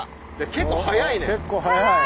結構速い。